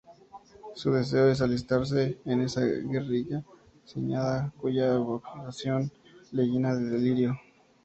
Su deseo es alistarse en esa guerrilla soñada cuya evocación le llena de delirio.